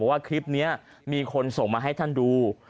ว่าคลิปนี้มีคนส่งมาให้ท่านดู